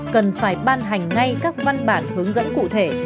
cần phải ban hành ngay các văn bản hướng dẫn cụ thể